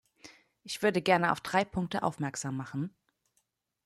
Ich würde gern auf drei Punkte aufmerksam machen.